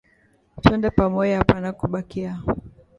Twende pamoya apana kubakia